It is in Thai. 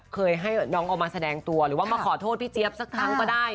เคยให้น้องออกมาแสดงตัวหรือว่ามาขอโทษพี่เจี๊ยบสักครั้งก็ได้